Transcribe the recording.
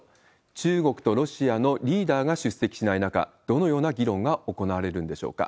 中国とロシアのリーダーが出席しない中、どのような議論が行われるんでしょうか。